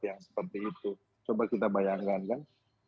yang seperti itu coba kita bayangkan kan